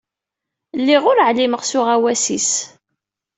Lliɣ ur ɛlimeɣ s uɣawas-is.